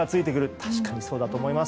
確かにそうだと思います。